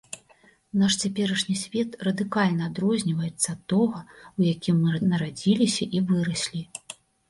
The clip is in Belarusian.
Наш цяперашні свет радыкальна адрозніваецца ад тога, у якім мы нарадзіліся і выраслі.